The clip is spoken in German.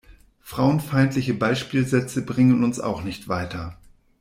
Frauenfeindliche Beispielsätze bringen uns auch nicht weiter.